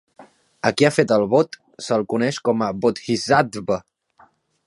A qui ha fet el vot se'l coneix com a Bodhisattva.